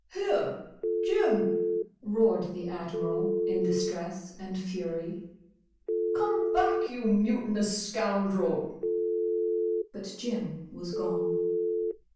"Here! Jim!" roared the Admiral, in distress and fury. "Come back! you mutinous scoundrel!" But Jim was gone.